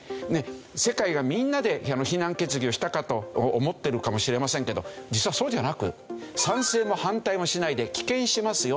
世界がみんなで非難決議をしたかと思ってるかもしれませんけど実はそうじゃなく「賛成も反対もしないで棄権しますよ」